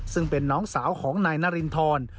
ซึ่งเป็นน้องสาวของนายนารินทร